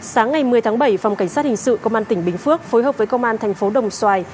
sáng ngày một mươi tháng bảy phòng cảnh sát hình sự công an tỉnh bình phước phối hợp với công an thành phố đồng xoài